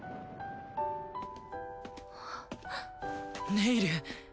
ネイル。